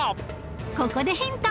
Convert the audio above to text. ここでヒント